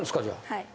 はい。